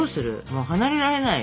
もう離れられない。